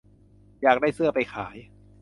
อยากได้เสื้อไปขาย